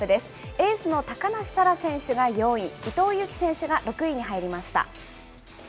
エースの高梨沙羅選手が４位、伊藤有希選手が６位に入りました。